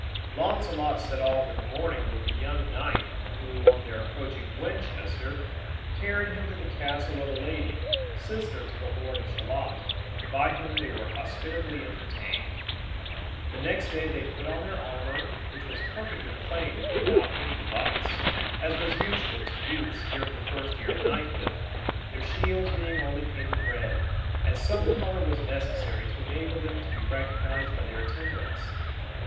Launcelot set off in the morning with the young knight, who, on their approaching Winchester, carried him to the castle of a lady, sister to the lord of Shalott, by whom they were hospitably entertained. The next day they put on their armor, which was perfectly plain and without any device, as was usual to youths during the first year of knighthood, their shields being only painted red, as some color was necessary to enable them to be recognized by their attendants.